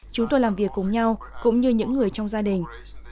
chúng tôi làm việc cùng nhau cũng như những người trong gia đình